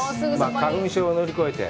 花粉症を乗り越えて、